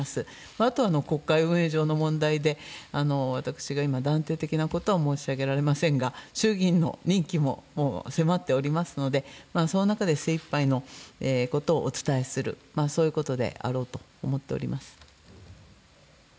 あとは国会運営上の問題で、私が今、断定的なことは申し上げられませんが、衆議院の任期ももう迫っておりますので、その中で精いっぱいのことをお伝えする、そういうことであろうと思っております。